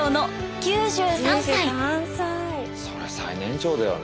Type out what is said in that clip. そりゃ最年長だよね。